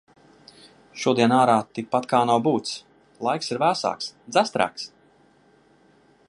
Šodien ārā tikpat kā nav būts. Laiks ir vēsāks, dzestrāks.